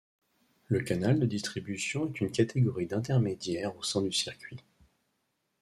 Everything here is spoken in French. Le canal de distribution est une catégorie d'intermédiaires au sein du circuit.